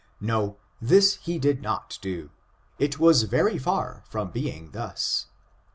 No, this he did not do ; it was very far from being thus.